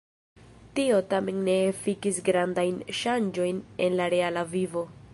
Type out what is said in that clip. Tio tamen ne efikis grandajn ŝanĝojn en la reala vivo.